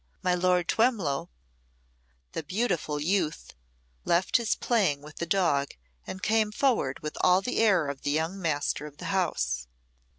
My Lord Twemlow " The beautiful youth left his playing with the dog and came forward with all the air of the young master of the house.